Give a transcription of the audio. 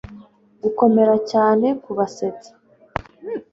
Gukomera cyane kubasetsa